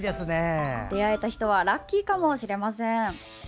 出会えた人はラッキーかもしれません。